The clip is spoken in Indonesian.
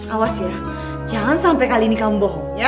awas ya jangan sampai kali ini kamu bohong ya